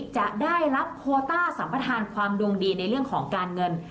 จะได้รับโคต้าสัมประธานความดวงดีในเรื่องของการเงิน